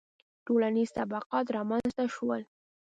• ټولنیز طبقات رامنځته شول.